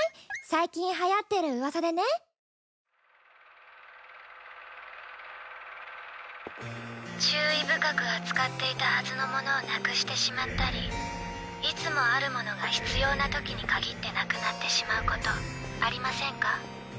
最近はやってる噂でね注意深く扱っていたはずのものをなくしてしまったりいつもあるものが必要なときにかぎってなくなってしまうことありませんか？